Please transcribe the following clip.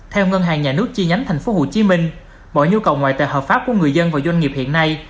theo ngân hàng nhà nước chi nhánh tp hcm mọi nhu cầu ngoại tệ hợp pháp của người dân và doanh nghiệp hiện nay